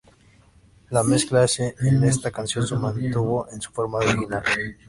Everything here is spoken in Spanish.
La mezcla hace en esta canción se mantuvo en su forma original.